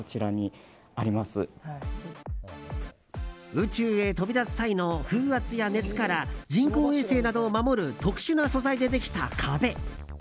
宇宙へ飛び出す際の風圧や熱から人工衛星などを守る特殊な素材でできた壁。